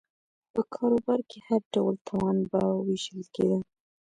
په کاروبار کې هر ډول تاوان به وېشل کېده